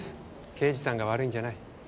刑事さんが悪いんじゃない。